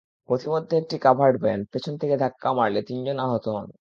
পথিমধ্যে একটি covered van পেছন থেকে ধাক্কা মারলে তিনজন আহত হন।